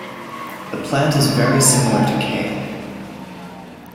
The plant is very similar to kale.